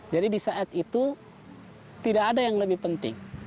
jadi di saat itu tidak ada yang lebih penting